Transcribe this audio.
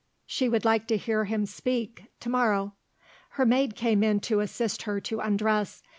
She would like to hear him speak to morrow. Her maid came in to assist her to undress.